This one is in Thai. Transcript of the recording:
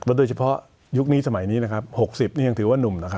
โดยเฉพาะยุคนี้สมัยนี้นะครับ๖๐นี่ยังถือว่านุ่มนะครับ